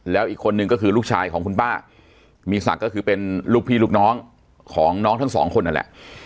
แล้วอีกคนนึงก็คือลูกชายของคุณป้ามีศักดิ์ก็คือเป็นลูกพี่ลูกน้องของน้องทั้งสองคนนั่นแหละ